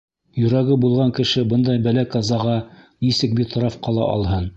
Йөрәге булған кеше бындай бәлә-ҡазаға нисек битараф ҡала алһын!